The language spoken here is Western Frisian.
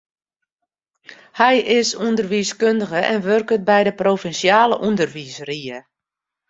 Hy is ûnderwiiskundige en wurket by de provinsjale ûnderwiisrie.